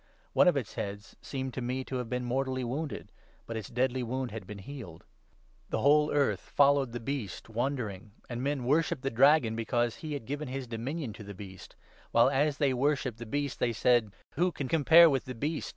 One of its heads 3 seemed to me to have been mortally wounded, but its deadly wound had been healed. The whole earth followed the Beast, wondering ; and men worshipped the Dragon, because he had 4 given his dominion to the Beast ; while, as they worshipped the Beast, they said —' Who can compare with the Beast